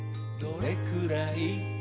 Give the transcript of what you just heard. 「どれくらい？